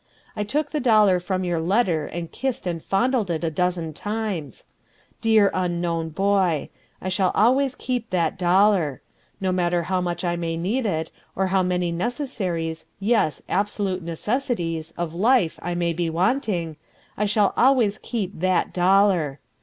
I took the dollar from your letter and kissed and fondled it a dozen times. Dear unknown boy! I shall always keep that dollar! No matter how much I may need it, or how many necessaries, yes, absolute necessities, of life I may be wanting, I shall always keep THAT dollar.